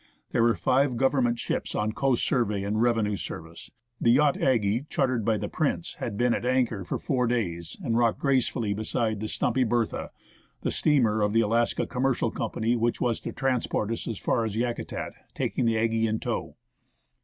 There were five Government ships on coast survey and revenue service ; the yacht Aggie, chartered by the Prince, had been at anchor for four days, and rocked gracefully beside the stumpy Bertha, the steamer of the "Alaskan Commercial Company," which was to transport us as far as Yakutat, taking the Aggie in tow.